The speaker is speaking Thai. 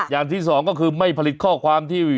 อย่างที่สองก็คือไม่ผลิตข้อความที่